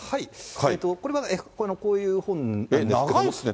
これはこういう本なんですけど。